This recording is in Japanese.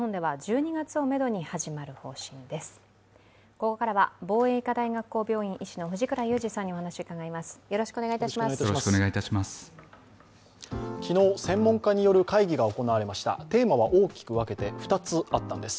ここからは防衛医科大学校病院医師の藤倉雄二さんにお話を伺います。